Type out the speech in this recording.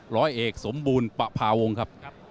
ร้อยเอกสมบูรณ์ประพาวงครับ